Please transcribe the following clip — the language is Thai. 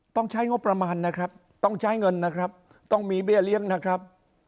ต้องใช้งบประมาณนะครับต้องใช้เงินนะครับต้องมีเบี้ยเลี้ยงนะครับ